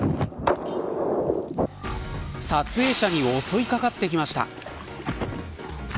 撮影者に襲いかかってきました。